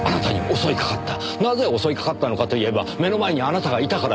なぜ襲いかかったのかといえば目の前にあなたがいたから。